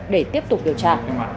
để tiếp tục điều tra